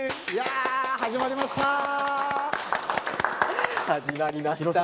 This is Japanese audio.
始まりました！